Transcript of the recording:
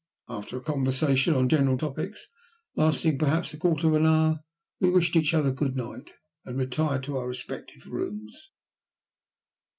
After a conversation on general topics, lasting perhaps a quarter of an hour, we wished each other "good night," and retired to our respective rooms.